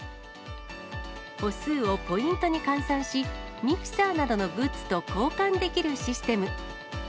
歩数をポイントに換算し、ミキサーなどのグッズと交換できるシステム。